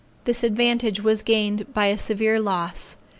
This advantage was gained by a severe loss.